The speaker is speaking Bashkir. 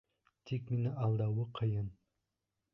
Тик мине алдауы ҡыйын.